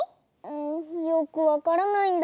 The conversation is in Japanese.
んよくわからないんだ。